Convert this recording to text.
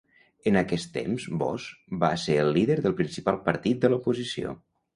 En aquest temps Bos va ser el líder del principal partit de l'oposició.